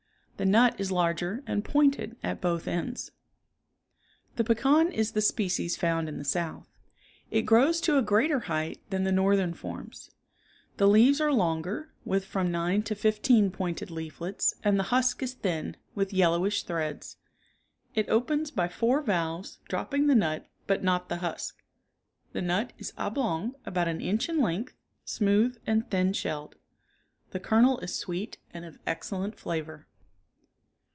The nut is larger and pointed at both ends. The pecan is the species found in the South. It grows to a greater height than the northern forms. The leaves are longer, with from nine to fifteen pointed leaflets and the husk is thin, with yellowish threads. It opens by four valves dropping the nut but not the husk. The nut is oblong, about an inch in length, smooth and thin shelled. The kernel is sweet and of excellent flavor.